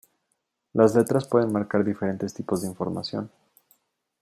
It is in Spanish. Las letras pueden marcar diferentes tipos de información.